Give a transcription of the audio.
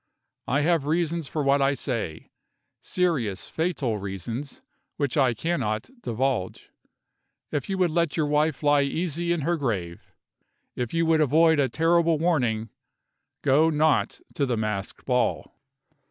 I have reasons for what I say serious, fatal reasons, which I cannot divulge. If you would let your wife lie easy in her grave, if you would avoid a terrible warning, go not to the masked ball!"